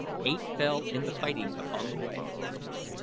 Eight fell in the fighting upon the way.